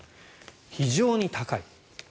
非常に高い。